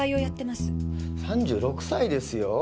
３６歳ですよ